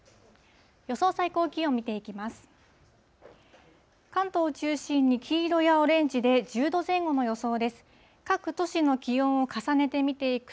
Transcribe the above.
予想最高気温見ていきます。